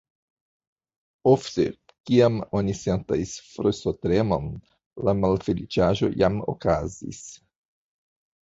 Ofte, kiam oni sentas frostotremon, la malfeliĉaĵo jam okazis.